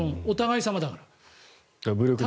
お互い様だから。